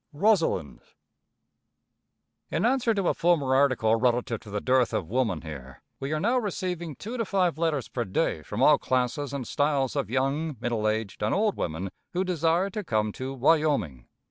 Rosalinde. In answer to a former article relative to the dearth of woman here, we are now receiving two to five letters per day from all classes and styles of young, middle aged and old women who desire to come to Wyoming.